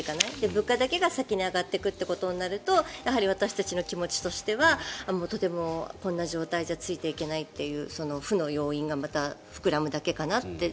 物価だけが先に上がっていくとなると私たちの気持ちとしてはとてもこんな状態じゃついていけないという負の要因がまた膨らむだけかなと。